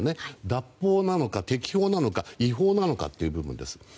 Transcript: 脱法なのか適法なのか違法なのかという部分です。